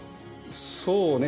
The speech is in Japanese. そうね。